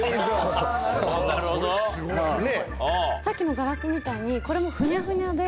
さっきのガラスみたいにこれも。